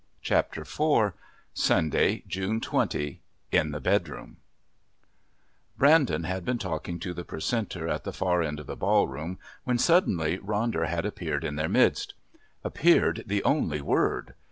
Chapter IV Sunday, June 20: In the Bedroom Brandon had been talking to the Precentor at the far end of the ballroom, when suddenly Ronder had appeared in their midst. Appeared the only word!